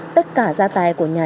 tất cả gia tài của nhà